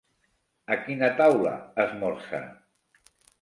A quina taula esmorza?